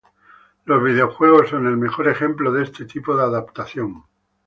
Los videojuegos son el mejor ejemplo de este tipo de adaptación.